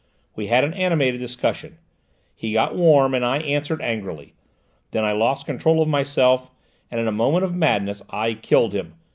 We had an animated discussion; he got warm and I answered angrily; then I lost control of myself and in a moment of madness I killed him!